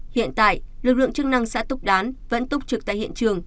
hiện tại lực lượng chức năng xã túc đán vẫn túc trực tại hiện trường